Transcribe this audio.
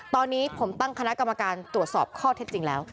ตอนนี้ผมตั้งคณะกรรมการตรวจสอบข้อเท็จจริงแล้ว